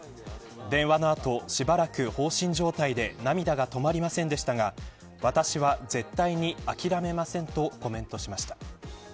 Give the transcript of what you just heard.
電話の後、しばらく放心状態で涙が止まりませんでしたが私は絶対に諦めませんとコメントしました。